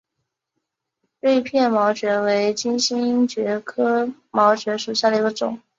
锐片毛蕨为金星蕨科毛蕨属下的一个种。